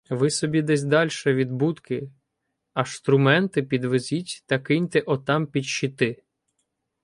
Ви собі десь дальше від будки, а штрументи підвезіть та киньте отам під щити.